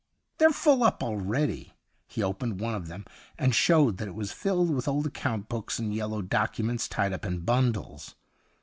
'They're full up already.' He opened one of them and showed that it was filled with old account books and yellow docu ments tied up in bundles.